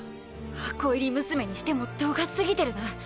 箱入り娘にしても度が過ぎてるな。